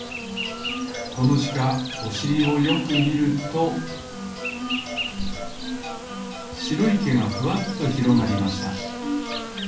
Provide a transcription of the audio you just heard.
このしかおしりをよくみるとしろいけがふわっとひろがりました。